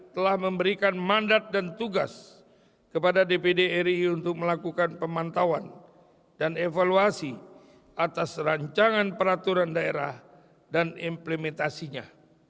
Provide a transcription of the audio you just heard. telah memberikan mandat dan tugas kepada dpd ri untuk melakukan pemantauan dan evaluasi atas rancangan peraturan daerah dan implementasinya